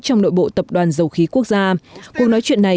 trong nội bộ tập đoàn dầu khí quốc gia